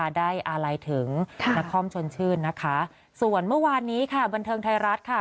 ได้อาลัยถึงนครชนชื่นนะคะส่วนเมื่อวานนี้ค่ะบันเทิงไทยรัฐค่ะ